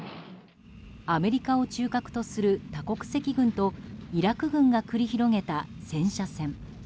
アメリカを中核とする多国籍軍とイラク軍が繰り広げた戦車戦。